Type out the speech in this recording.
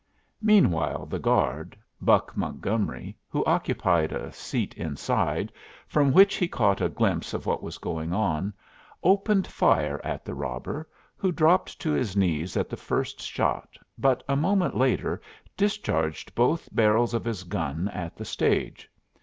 Meanwhile the guard, Buck Montgomery, who occupied a seat inside, from which he caught a glimpse of what was going on, opened fire at the robber, who dropped to his knees at the first shot, but a moment later discharged both barrels of his gun at the stage.